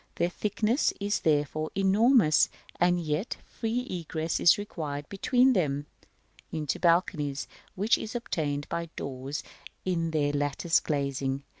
Their thickness is therefore enormous; and yet free egress is required between them (into balconies) which is obtained by doors in their lattice glazing.